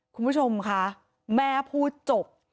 คุณผู้ชมค่ะแม่พูดจบ